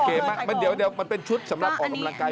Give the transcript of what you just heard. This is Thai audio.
คือตอนนี้เราก็จะเป็นชุดออกกำลังกาย